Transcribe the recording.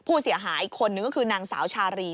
ผู้เสียหายอีกคนนึงก็คือนางสาวชารี